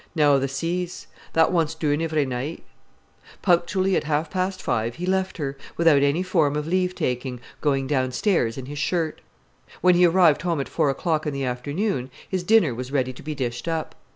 "Now tha sees. That wants doin' ivery night." Punctually at half past five he left her, without any form of leave taking, going downstairs in his shirt. When he arrived home at four o'clock in the afternoon his dinner was ready to be dished up.